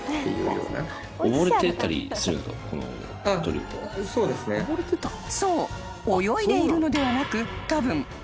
［そう泳いでいるのではなくたぶん］